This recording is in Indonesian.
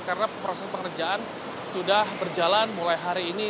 karena proses pekerjaan sudah berjalan mulai hari ini